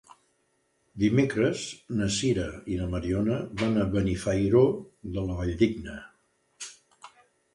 Dimecres na Sira i na Mariona van a Benifairó de la Valldigna.